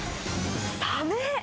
サメ！